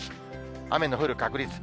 雨の降る確率。